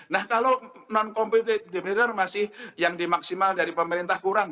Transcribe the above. nah kalau non competitive divider masih yang dimaksimal dari pemerintah kurang